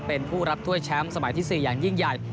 เป็นผู้รับถ้วยแชมป์สมัยที่๔อย่างยิ่งใหญ่